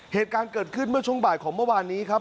เหตุการณ์เกิดขึ้นเมื่อช่วงบ่ายของเมื่อวานนี้ครับ